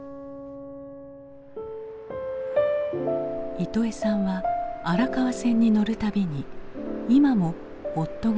イトエさんは荒川線に乗る度に今も夫が隣にいるような気がする。